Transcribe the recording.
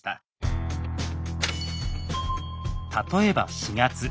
例えば４月。